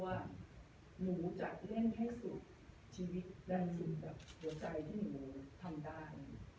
ว่าหนูจะเล่นให้สุดชีวิตแรงสุดแบบหัวใจที่หนูทำได้